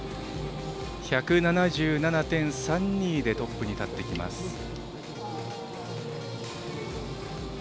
１７７．３２でトップに立ってきます。